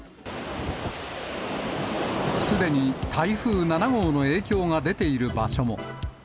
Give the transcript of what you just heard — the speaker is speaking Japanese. すでに台風７号の影響が出ている場所も。